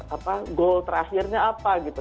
apa goal terakhirnya apa gitu